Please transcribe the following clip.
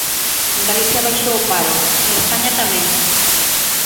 En Galicia baixou o paro; en España, tamén.